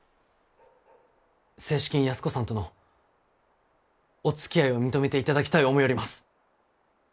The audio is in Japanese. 正式に安子さんとのおつきあいを認めていただきたい思ようります。